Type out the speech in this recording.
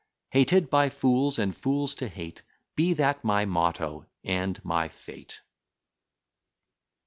Hated by fools, and fools to hate, Be that my motto, and my fate.